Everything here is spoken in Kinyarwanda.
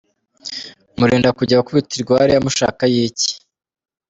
murinda kujya gukubitirwa hariya mushakayo iki?